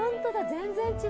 全然違う。